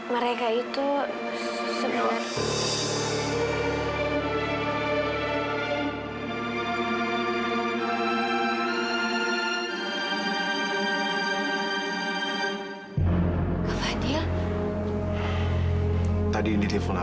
mereka itu semua